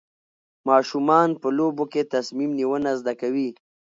ماشومان په لوبو کې تصمیم نیونه زده کوي.